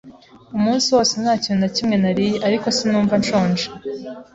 Umunsi wose nta kintu na kimwe nariye, ariko sinumva nshonje.